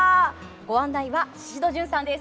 ご案内は、宍戸純さんです。